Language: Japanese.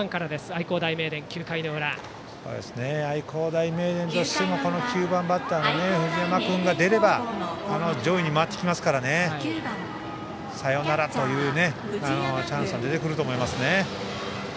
愛工大名電としても９番バッターの藤山君が出れば必ず上位に回ってきますからサヨナラというチャンスが出てくると思います。